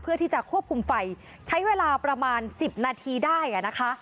เพื่อที่จะควบคุมไฟใช้เวลาประมาณ๑๐นาทีได้นะคะ